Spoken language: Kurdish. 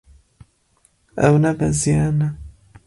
Em nebeziyane.